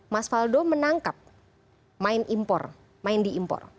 mas faldo menangkap main impor main di impor